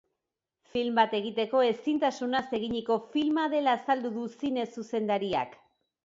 Film bat egiteko ezintasunaz eginiko filma dela azaldu du zine zuzendariak.